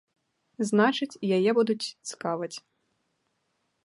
Значыць, яе будуць цкаваць.